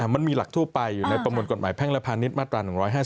มันมีหลักทั่วไปอยู่ในประมวลกฎหมายแพ่งและพาณิชย์มาตรา๑๕๒